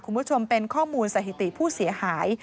คุณผู้ชมเป็นข้อมูลสถิติผู้เสียหาย